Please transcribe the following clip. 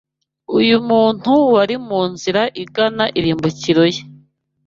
uyu muntu wari mu nzira igana irimbukiro ye